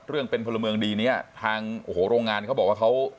เรื่องเป็นพลเมืองดีเนี้ยทางโอ้โหโรงงานเขาบอกว่าเขา